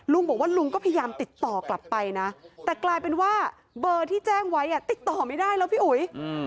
ลุงบอกว่าลุงก็พยายามติดต่อกลับไปนะแต่กลายเป็นว่าเบอร์ที่แจ้งไว้ติดต่อไม่ได้แล้วพี่อุ๋ย